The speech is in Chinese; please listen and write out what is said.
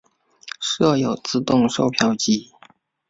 设有自动售票机。